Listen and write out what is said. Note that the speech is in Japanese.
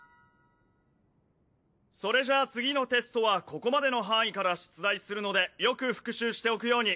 それじゃあ次のテストはここまでの範囲から出題するのでよく復習しておくように。